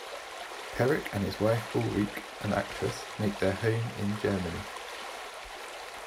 Perick and his wife Ulrike, an actress, make their home in Germany.